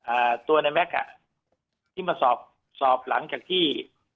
อ่าตัวในแม็กซ์อ่ะที่มาสอบสอบหลังจากที่